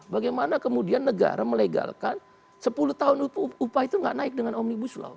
bagaimana kemudian negara melegalkan sepuluh tahun itu upah itu nggak naik dengan omnibus law